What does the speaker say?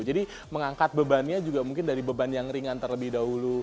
jadi mengangkat bebannya juga mungkin dari beban yang ringan terlebih dahulu